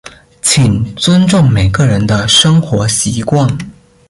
请尊重每个人的生活习惯。